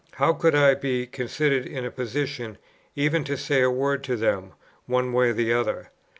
How could I be considered in a position, even to say a word to them one way or the other?